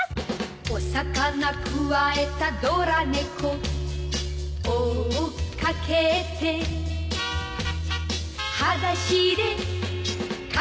「お魚くわえたドラ猫」「追っかけて」「はだしでかけてく」